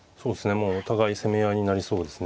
もうお互い攻め合いになりそうですね。